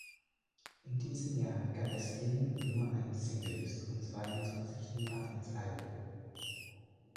In diesem Jahr gab es zehn Nummer-eins-Singles und zweiundzwanzig Nummer-eins-Alben.